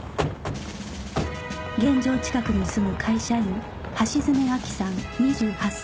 現場近くに住む会社員橋爪亜希さん２８歳